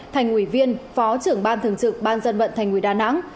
thành ủy viên phó trưởng ban thường trực ban dân vận thành ủy đà nẵng